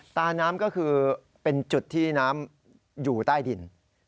ตาน้ำก็คือเป็นจุดที่น้ำอยู่ใต้ดิน